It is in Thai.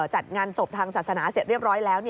จัดงานศพทางศาสนาเสร็จเรียบร้อยแล้ว